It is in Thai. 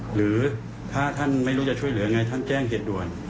หรือถ้าท่านไม่รู้จะช่วยเหลือไงท่านแจ้งเหตุด่วน